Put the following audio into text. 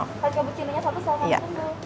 hot cappuccino nya satu selamat menunggu